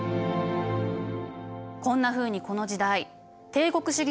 こんなふうにこの時代帝国主義